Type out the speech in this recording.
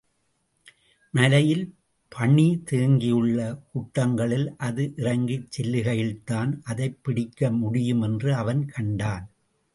மலையில் பணி தேங்கியுள்ள குட்டங்களில் அது இறங்கிச் செல்லுகையில்தான் அதைப்பிடிக்க முடியும் என்று அவன் கண்டான்.